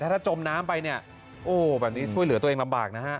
ถ้าจมน้ำไปเนี่ยโอ้แบบนี้ช่วยเหลือตัวเองลำบากนะฮะ